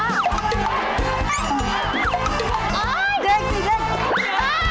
หมุนทีต่อที่ไหน